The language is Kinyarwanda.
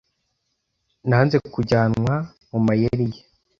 Nanze kujyanwa mu mayeri ye.